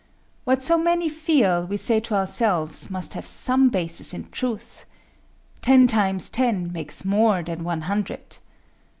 What so many feel, we say to ourselves, must have some basis in truth. Ten times ten makes more than one hundred.